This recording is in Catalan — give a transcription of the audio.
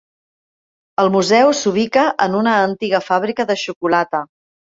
El museu s'ubica en una antiga fàbrica de xocolata.